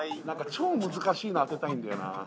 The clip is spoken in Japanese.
超難しいの当てたいんだよな